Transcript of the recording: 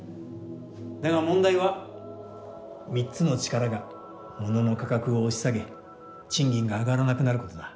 だが問題は３つの力がモノの価格を押し下げ賃金が上がらなくなることだ。